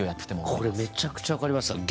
これめちゃくちゃ分かりますわ。